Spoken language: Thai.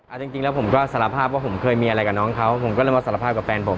เอาจริงจริงแล้วผมก็สารภาพว่าผมเคยมีอะไรกับน้องเขาผมก็เลยมาสารภาพกับแฟนผม